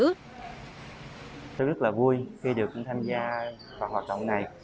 tôi rất là vui khi được tham gia vào hoạt động này